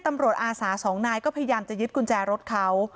อาสาสองนายก็พยายามจะยึดกุญแจรถเขา